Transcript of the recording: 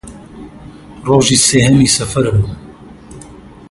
ڕۆژی سێهەمی سەفەرم بوو